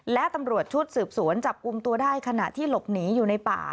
และตำรวจชุดสืบสวนจับกลุ่มตัวได้ขณะที่หลบหนีอยู่ในป่า